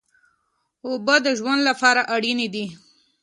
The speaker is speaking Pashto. اوبه د ژوند لپاره اړینې دي.